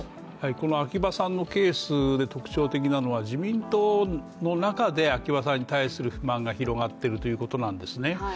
この秋葉さんのケースで特徴的なのは自民党の中で秋葉さんに対する不満が広がっているということなんですね。